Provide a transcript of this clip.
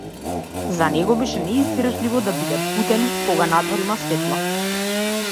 За него беше неиздржливо да биде буден кога надвор има светло.